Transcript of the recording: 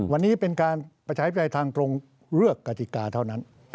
วันนี้เป็นการประชาธิปไตยทางตรงเลือกกติกาเท่านั้น